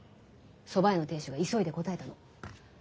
蕎麦屋の亭主が急いで答えたの。